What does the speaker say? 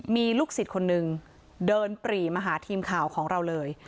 มีลูกศิษย์คนนึงเดินปรีมาหาทีมข่าวของเราเลย